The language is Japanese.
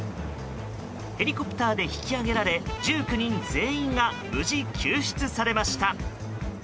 ヘリコプターで引き上げられ１９人全員が無事、救出されました。